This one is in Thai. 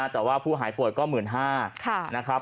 แต่ว่าผู้หายป่วยก็๑๕๐๐นะครับ